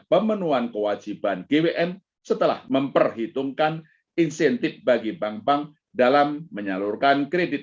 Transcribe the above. pemenuhan kewajiban gwn setelah memperhitungkan insentif bagi bank bank dalam menyalurkan kredit